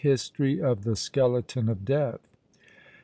HISTORY OF THE SKELETON OF DEATH.